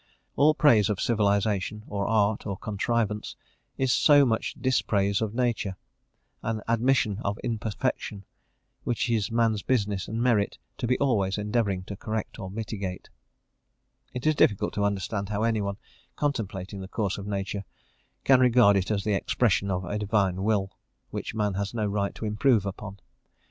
All praise of civilisation, or art, or contrivance, is so much dispraise of nature; an admission of imperfection, which it is man's business, and merit, to be always endeavouring to correct or mitigate.* * "Essay on Nature," by John Stuart Mill. It is difficult to understand how anyone, contemplating the course of nature, can regard it as the expression of a Divine will, which man has no right to improve upon.